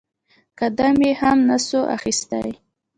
قدم يې هم نسو اخيستى.